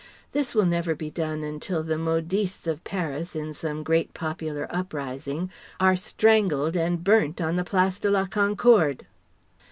This will never be done until the modistes of Paris, in some great popular uprising, are strangled and burnt on the Place de la Concorde.